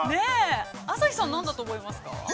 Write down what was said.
◆朝日さんは何だと思いますか。